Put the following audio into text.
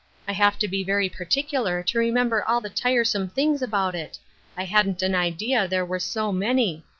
I have to be very particular to remember all the tire some things about it ; I hadn't an idea there were so many.